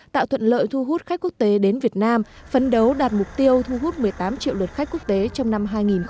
tạo thuận lợi thu hút khách quốc tế đến việt nam phấn đấu đạt mục tiêu thu hút một mươi tám triệu lượt khách quốc tế trong năm hai nghìn hai mươi